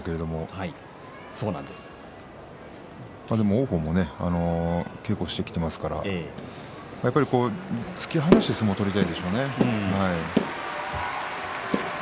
王鵬も稽古をしてきていますからやっぱり突き放して相撲を取りたいでしょうね。